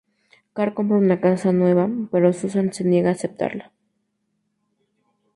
Karl compra una casa nueva, pero Susan se niega a aceptarla.